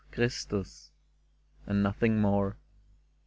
Christus !" and nothing more.